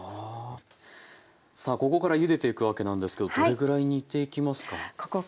さあここからゆでていくわけなんですけどどれぐらい煮ていきますか？